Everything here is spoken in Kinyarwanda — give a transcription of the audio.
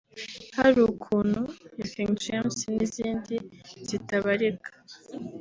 ‘Hari ukuntu’ ya King James n’izindi zitabarika